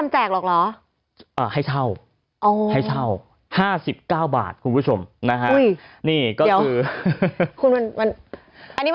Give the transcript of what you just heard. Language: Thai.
ให้เช่า๕๙บาทคุณผู้ชมนะครับ